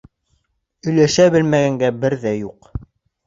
Өләшә белмәгәнгә бер ҙә юҡ.